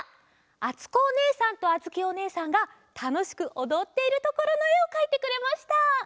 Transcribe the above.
「あつこおねえさんとあづきおねえさん」がたのしくおどっているところのえをかいてくれました。